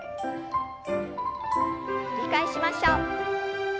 繰り返しましょう。